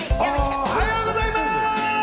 おはようございます！